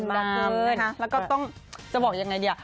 แล้วก็ต้องจะบอกอย่างไรดี